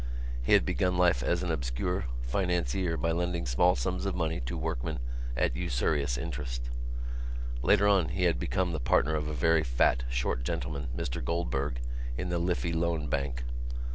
He had begun life as an obscure financier by lending small sums of money to workmen at usurious interest. Later on he had become the partner of a very fat short gentleman, Mr Goldberg, in the Liffey Loan Bank.